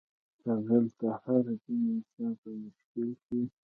که دلته د هر دین انسان په مشکل کې وي.